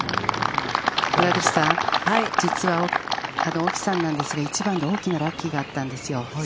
村口さん実は沖さんなんですが１番で大きなラッキーがあったんです。